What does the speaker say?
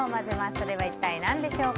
それは一体何でしょう。